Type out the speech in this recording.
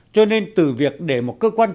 cho nên từ việc để một cơ quan